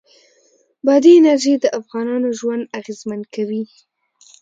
بادي انرژي د افغانانو ژوند اغېزمن کوي.